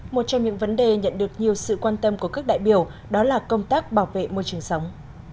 một trong những vấn đề nhận được nhiều sự quan tâm của các đại biểu đó là công tác bảo vệ môi trường sống